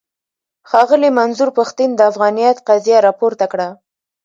ښاغلي منظور پښتين د افغانيت قضيه راپورته کړه.